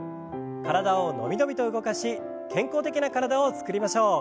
体を伸び伸びと動かし健康的な体を作りましょう。